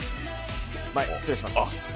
前、失礼します。